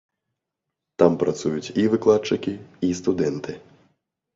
Там працуюць і выкладчыкі, і студэнты.